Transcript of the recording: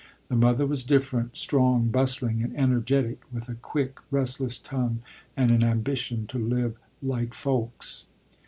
The mother was different, strong, bustling, and energetic, with a quick, restless tongue, and an ambition to live "like folks."